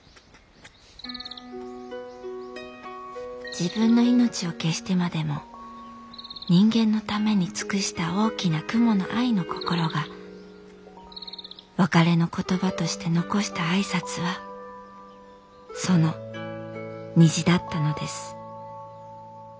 自分の命を消してまでも人間のために尽くした大きな雲の愛の心が別れの言葉として残した挨拶はその虹だったのです」。